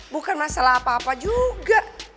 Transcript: bukan masalah apa apa juga